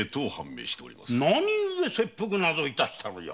何ゆえ切腹など致したのじゃ？